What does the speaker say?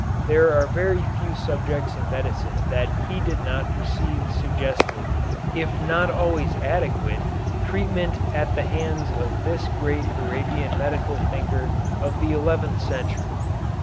There are very few subjects in medicine that did not receive suggestive, if not always adequate, treatment at the hands of this great Arabian medical thinker of the eleventh century.